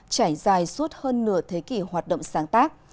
trải dài suốt hơn nửa thế kỷ hoạt động sáng tác